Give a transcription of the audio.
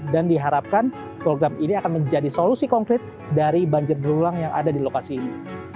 dan diharapkan program ini akan menjadi solusi konkret dari banjir berulang yang ada di lokasi ini